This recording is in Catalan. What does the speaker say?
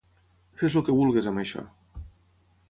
Fes el què vulguis amb això.